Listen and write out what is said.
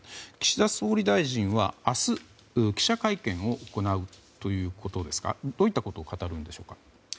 岸田総理大臣は明日、記者会見を行うということですがどういったことを答えるんでしょうか。